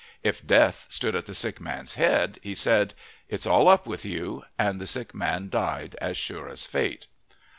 If Death stood at the sick man's head, he said: "It's all up with you," and the sick man died as sure as fate.